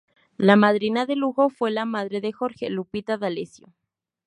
La madrina de lujo fue la madre de Jorge, Lupita D’Alessio.